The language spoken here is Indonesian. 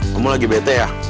kamu lagi bete ya